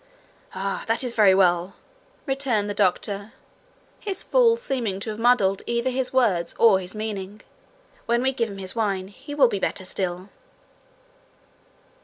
'Ah, that is very well!' returned the doctor, his fall seeming to have muddled either his words or his meaning. 'When we give him his wine, he will be better still.'